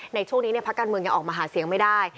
ในช่วงนี้พักการเมืองยังออกมาหาเสียงไม่ได้